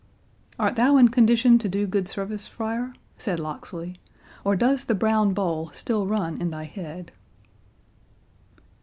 "Art thou in condition to do good service, friar," said Locksley, "or does the brown bowl still run in thy head?"